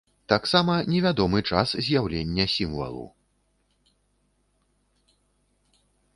Таксама невядомы час з'яўлення сімвалу.